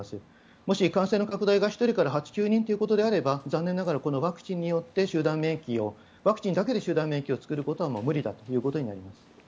もし感染の拡大が１人から８９人ということであれば残念ながらこのワクチンだけで集団免疫を作ることはもう無理だということになります。